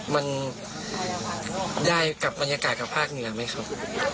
มันได้กับบรรยากาศกับภาคเหนือไหมครับ